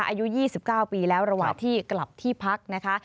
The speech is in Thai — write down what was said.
อายุยี่สิบเก้าปีแล้วระหว่างที่กลับที่พักนะคะ